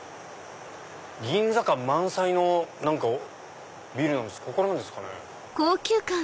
銀座感満載のビルなんですけどここなんですかね。